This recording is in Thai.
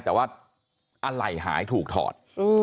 แต่ว่าอะไรหายถูกถอด